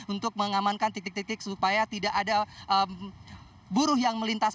untuk mengamankan titik titik supaya tidak ada buruh yang melintas